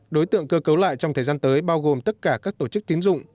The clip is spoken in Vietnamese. đối tượng cơ cấu lại trong thời gian tới bao gồm tất cả các tổ chức tín dụng